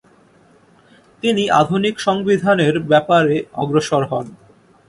তিনি আধুনিক সংবিধানের ব্যাপারে অগ্রসর হন।